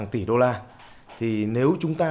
tỷ đô la thì nếu chúng ta